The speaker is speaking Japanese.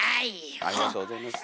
ありがとうございます。